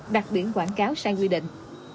đặt biển quảng cáo sai quy định